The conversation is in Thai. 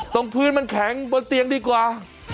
ตรงพื้นมันแข็งบนเตียงดีกว่า